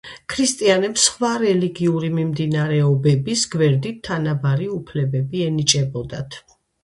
ქრისტიანებს სხვა რელიგიური მიმდინარეობების გვერდით თანაბარი უფლებები ენიჭებოდათ.